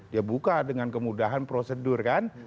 dia buka dengan kemudahan prosedur kan